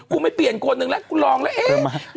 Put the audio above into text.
กูไม่เปลี่ยนคนหนึ่งแล้วกูลองเลย